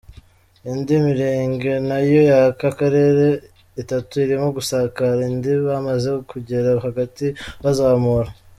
Indi mirenge nayo y’aka karere, itatu irimo gusakara, indi bamaze kugera hagati bazamura.